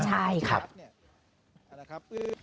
ใช่ค่ะ